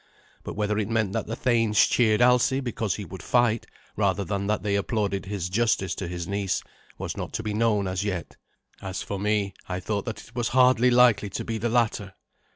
But whether it meant that the thanes cheered Alsi because he would fight, rather than that they applauded his justice to his niece, was not to be known as yet. As for me, I thought that it was hardly likely to be the latter.